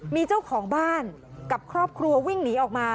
มีเจ้าของบ้านกับครอบครัววิ่งหนีออกมา